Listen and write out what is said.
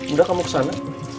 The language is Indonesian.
udah kamu kesana